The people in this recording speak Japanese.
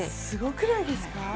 すごくないですか？